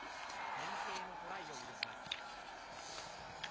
先制のトライを許します。